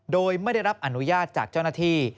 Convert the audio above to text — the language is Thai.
โดยไม่ได้รับอนุญาตจากเจ้าหน้าที่